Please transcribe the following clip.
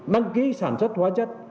đăng ký sản xuất hóa chất